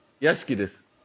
屋敷です。